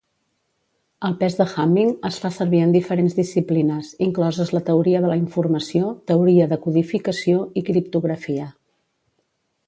El pes de Hamming es fa servir en diferents disciplines, incloses la teoria de la informació, teoria de codificació i criptografia.